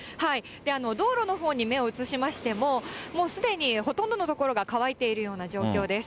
道路のほうに目を移しましても、もうすでにほとんどの所が乾いているような状況です。